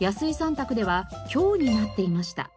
宅では「強」になっていました。